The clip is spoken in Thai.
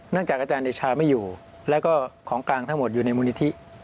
จากอาจารย์เดชาไม่อยู่แล้วก็ของกลางทั้งหมดอยู่ในมูลนิธิ